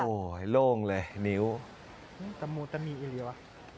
โอ้ยโล่งเลยนิ้วตะโมตะนีหรือยังวะ